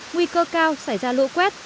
nguy cơ cao xảy ra lũ quét